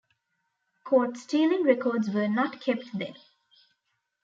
Caught stealing records were not kept then.